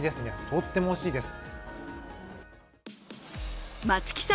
とってもおいしいです。